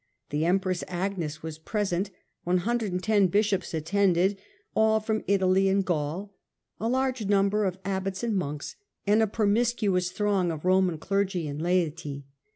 The empress Agnes was present, 110 bishops attended, all from Italy and Gaul, a large number of abbots and monks, and a promis cuous throng of Roman clergy and laity.